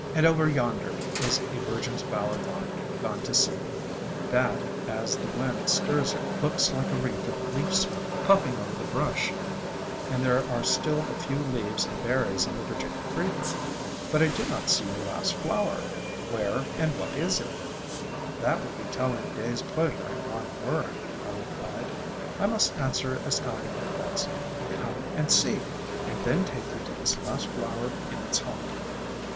And over yonder is a Virgin's Bower Vine gone to seed, that, as the wind stirs it, looks like a wreath of leaf smoke pufHng over the brush; and there are still a few leaves and berries on the Virginia Creeper. But I do not see your last flower. Where and what is it?" "That would be telling a day's pleasure in one word," I replied. "I must answer as Time o' Year does, 'Come and see!' and then take you to this last flower in its haunt."